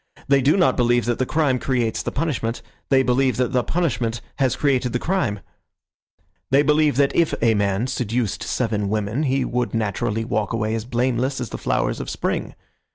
They do not believe that the crime creates the punishment. They believe that the punishment has created the crime. They believe that if a man seduced seven women he would naturally walk away as blameless as the flowers of spring.